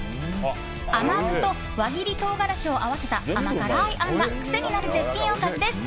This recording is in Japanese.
甘酢と輪切り唐辛子を合わせた甘辛いあんが癖になる絶品おかずです。